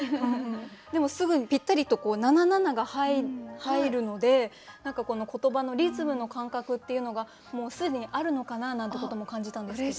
でもすぐにぴったりと七七が入るのでこの言葉のリズムの感覚っていうのがもう既にあるのかななんてことも感じたんですけど。